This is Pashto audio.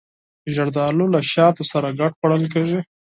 زردالو له شاتو سره ګډ خوړل کېږي.